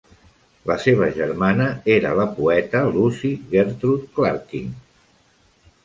La seva germana era la poeta Lucy Gertrude Clarkin.